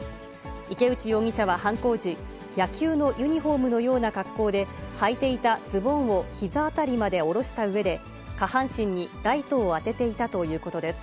池内容疑者は犯行時、野球のユニホームのような格好で、はいていたズボンをひざ辺りまで下ろしたうえで、下半身にライトを当てていたということです。